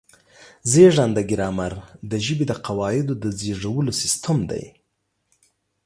زېږنده ګرامر د ژبې د قواعدو د زېږولو سیستم دی.